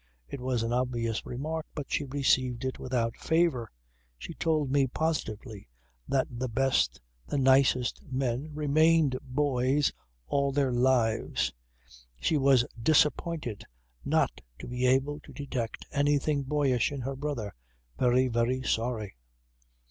It was an obvious remark but she received it without favour. She told me positively that the best, the nicest men remained boys all their lives. She was disappointed not to be able to detect anything boyish in her brother. Very, very sorry.